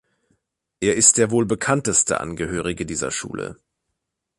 Er ist wohl der bekannteste Angehörige dieser Schule.